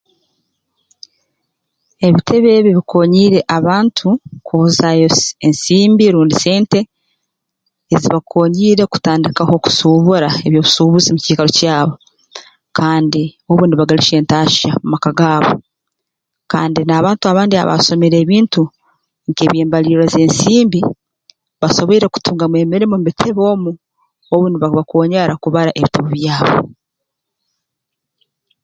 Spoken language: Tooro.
Ebitebe ebi biikoonyiire abantu kwohozaayo se ensimbi rundi sente ezibakoonyiire kutandikaho kusuubura eby'obusuubuzi mu kiikaro kyabo kandi obu nibagalihya entaahya mu maka gaabo kandi n'abantu abandi abaasomere ebintu nk'eby'embalirra z'ensimbi basoboire kutungamu emirimo mu bitebe omu obu nibabakoonyera kubara ebitabu byabo